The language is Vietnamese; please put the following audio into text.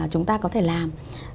chúng ta có thể làm